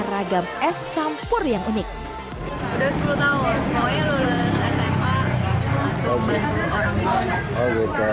jadi pumpkin ya bukan bisa dipakai sebagai baju milik